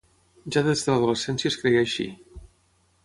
Ja des de l'adolescència es creia així.